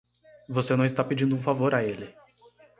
Você não está pedindo um favor a ele.